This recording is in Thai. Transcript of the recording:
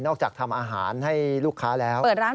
อกจากทำอาหารให้ลูกค้าแล้ว